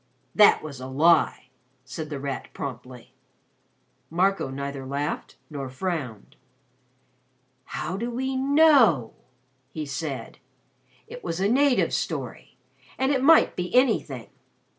"That was a lie," said The Rat promptly. Marco neither laughed nor frowned. "How do we know?" he said. "It was a native's story, and it might be anything.